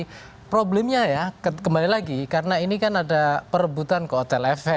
jadi problemnya ya kembali lagi karena ini kan ada perebutan ke hotel effect